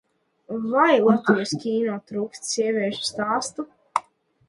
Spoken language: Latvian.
Vai Latvijas kino trūkst sieviešu stāstu?